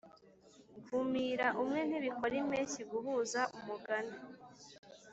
kumira umwe ntibikora impeshyi guhuza umugani